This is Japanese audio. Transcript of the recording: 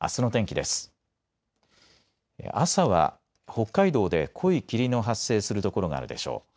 朝は北海道で濃い霧の発生する所があるでしょう。